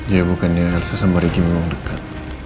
ya bukannya elsa sama ricky memang dekat